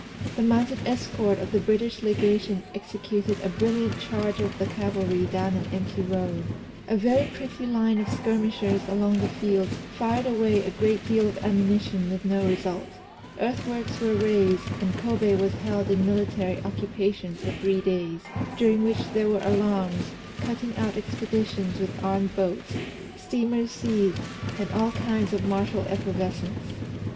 The mounted escort of the British Legation executed a brilliant charge of cavalry down an empty road; a very pretty line of skirmishers along the fields fired away a great deal of ammunition with no result; earthworks were raised, and Kôbé was held in military occupation for three days, during which there were alarms, cutting out expeditions with armed boats, steamers seized, and all kinds of martial effervescence.